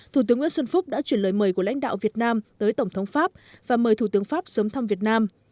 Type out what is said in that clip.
thủ tướng nguyễn xuân phúc đã chuyển lời mời của lãnh đạo việt nam tới tổng thống pháp và mời thủ tướng pháp sớm thăm việt nam